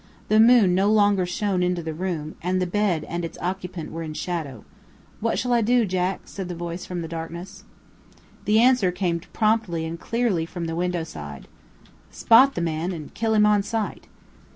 The moon no longer shone into the room, and the bed and its occupant were in shadow. "What shall I do, Jack?" said the voice from the darkness. The answer came promptly and clearly from the window side: "Spot the man, and kill him on sight."